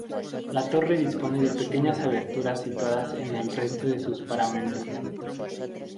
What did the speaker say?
La torre dispone de pequeñas aberturas situadas en el resto de sus paramentos.